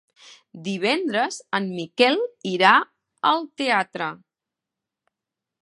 Divendres en Miquel irà al teatre.